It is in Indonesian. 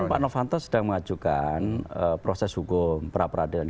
kan pak novanto sedang mengajukan proses hukum perapradilan